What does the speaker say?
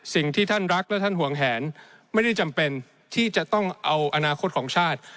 สิ่งที่ท่านรักและท่านห่วงแหนไม่ได้จำเป็นที่จะต้องเอาอนาคตของชาติ